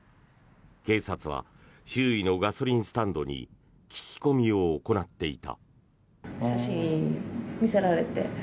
警察は周囲のガソリンスタンドに聞き込みを行っていた。